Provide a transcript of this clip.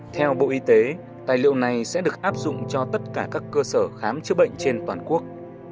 theo bộ y tế tài liệu này sẽ được áp dụng cho tất cả các cơ sở khám chữa bệnh trên toàn quốc